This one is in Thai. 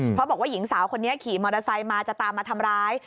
เพราะบอกว่าหญิงสาวคนนี้ขี่มอเตอร์ไซค์มาจะตามมาทำร้าย